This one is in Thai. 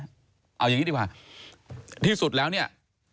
เอาอย่างนี้ดีกว่าที่สุดแล้วเนี่ย